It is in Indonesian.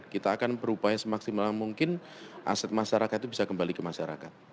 kita akan berupaya semaksimal mungkin aset masyarakat itu bisa kembali ke masyarakat